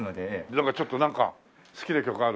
ちょっとなんか好きな曲ある？